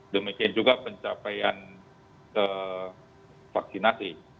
demikian juga pencapaian vaksinasi